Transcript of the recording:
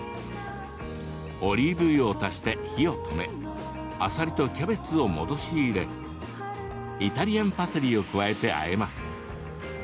オリーブ油を足して火を止めあさりとキャベツを戻し入れイタリアンパセリを加えてあえます。